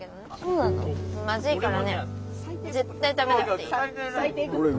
まずいからね絶対食べなくていい。